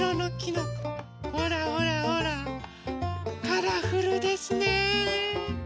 カラフルですね。